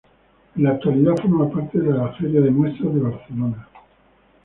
En la actualidad forma parte de la Feria de Muestras de Barcelona.